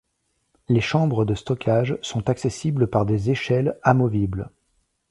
Les chambres de stockage sont accessibles par des échelles amovibles.